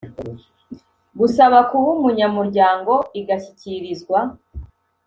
Gusaba kuba umunyamuryango igashyikirizwa